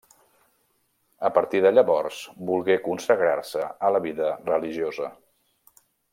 A partir de llavors, volgué consagrar-se a la vida religiosa.